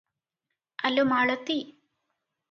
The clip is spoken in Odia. ଆଲୋ ମାଳତୀ!